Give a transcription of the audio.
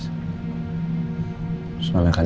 terus mana kan